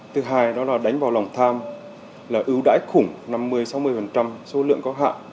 thứ hai đó là đánh vào lòng tham là ưu đãi khủng năm mươi sáu mươi số lượng có hạng